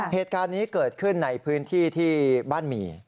เหตุการณ์นี้เกิดขึ้นในพื้นที่ที่บ้านหมี่